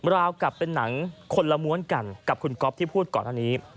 ราวกลับเป็นหนังคนละม้วนกันกับคุณก๊อฟที่พูดก่อนหน้านี้